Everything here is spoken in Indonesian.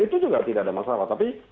itu juga tidak ada masalah tapi